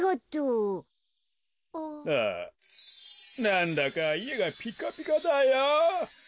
なんだかいえがピカピカだよ。